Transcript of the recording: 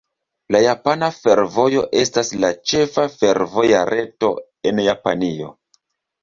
La Japana Fervojo estas la ĉefa fervoja reto en Japanio.